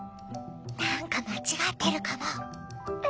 何か間違ってるかも。